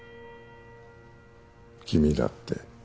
君だって。